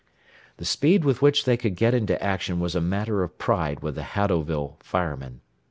The speed with which they could get into action was a matter of pride with the Haddowville firemen.